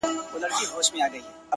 زما اشنا خبري پټي ساتي!